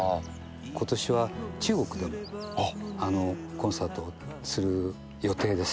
ことしは中国でもコンサートをする予定です。